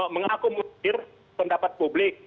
mengaku mutir pendapat publik